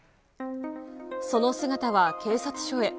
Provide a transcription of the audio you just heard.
その姿は警察署へ。